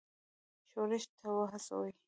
ښورښ ته وهڅوي.